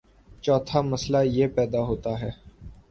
چوتھا مسئلہ یہ پیدا ہوتا ہے